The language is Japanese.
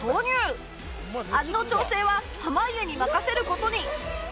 味の調整は濱家に任せる事に